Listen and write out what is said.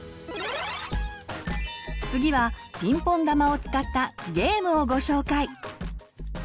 次はピンポン球を使ったゲームをご紹介！